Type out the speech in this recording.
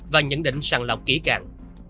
và nhận định sàng lọc kỹ cạn